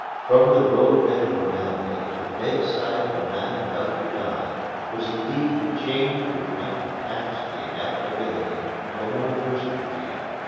From the roadbed of a railway to the bedside of a man about to die was indeed a change which might have taxed the adaptability of a more versatile being.